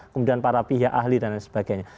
kemudian para pihak ahli dan lain sebagainya